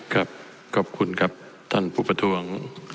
ครับขอบคุณครับต้อนรับบุปตรวง